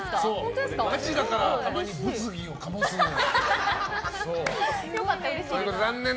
ガチだからたまに物議を醸すのよ。